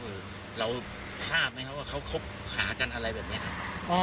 เราทราบไหมครับว่าเขาคบหากันอะไรแบบนี้ครับ